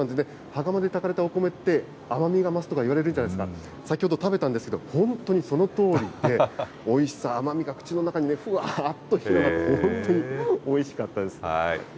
羽釜で炊かれたお米って甘みが増すとかいわれるじゃないですか、先ほど食べたんですけど、本当にそのとおりで、おいしさ、甘みが口の中にふわーっと広がって、本当においしかったです。